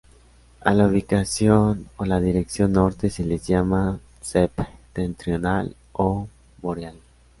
A la ubicación o a la dirección norte se les llama "septentrional" o "boreal".